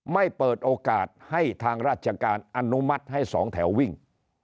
เปิดโอกาสให้ทางราชการอนุมัติให้สองแถววิ่ง